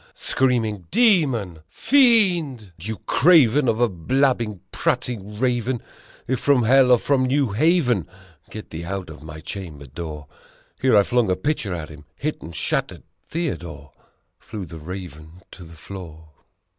Screaming, "Demon ! Fiend ! You Craven of a blab bing, prating Raven ! If from hell or from New Haven, get thee out my chamber door!" Here I flung a pitcher at him, hit and shattered Theodore ! Flew the Raven to the floor.